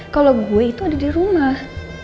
kalau gue itu ada di rumah